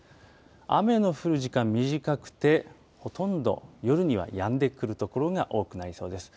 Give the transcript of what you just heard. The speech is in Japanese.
雨の降る時間短くて、ほとんど夜にはやんでくる所が多くなりそうです。